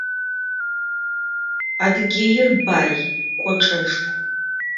Адыгеир бай, кӏочӏэшху.